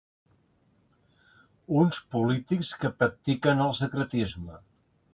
Uns polítics que practiquen el secretisme.